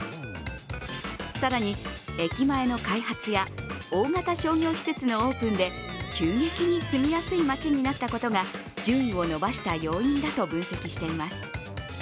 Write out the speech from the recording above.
更に、駅前の開発や大型商業施設のオープンで急激に住みやすい街になったことが順位を伸ばした要因だと分析しています。